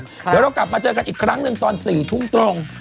เดี๋ยวเรากลับมาเจอกันอีกครั้งหนึ่งตอน๔ทุ่มตรง